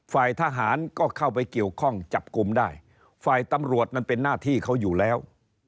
ฝ่ายทหารก็เข้าไปเกี่ยวข้องจับกลุ่มได้ฝ่ายตำรวจนั้นเป็นหน้าที่เขาอยู่แล้ว